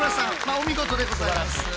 お見事でございます。